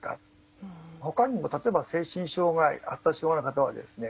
ほかにも例えば精神障害発達障害の方はですね